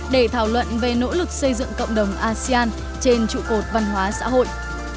để thảo luận về nỗ lực xây dựng cộng đồng asean trên trụ cột văn hóa xã hội